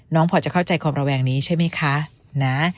พอจะเข้าใจความระแวงนี้ใช่ไหมคะนะ